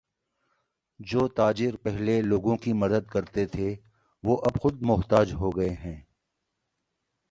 جو تاجر پہلے لوگوں کی مدد کرتے تھے وہ اب خود محتاج ہوگئے ہیں